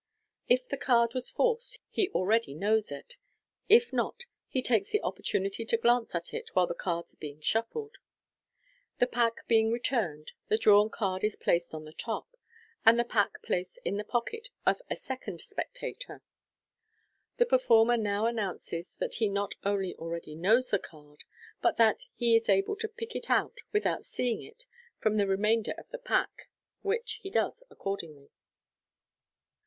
If the card was forced, he already knows it j if not, he takes the opportunity to glance at it while the cards are being shuffled. The pack being returned, the drawn card is placed on the top, and the pack placed in the pocket of a second spectator. The performer now announces that he not only already knows the card, but that he is able to pick it out without seeing it from the remainder of the pack, which he does accordingly.